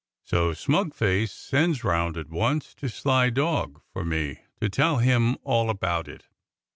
So smug face sends round at once to sly dog for me to tell him all about it.